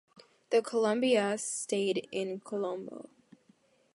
The Colombia stayed in Colombo.